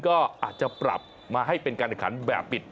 ก็อาจจะปรับมาให้เป็นการแข่งขันแบบปิด